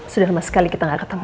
sudah lama sekali kita nggak ketemu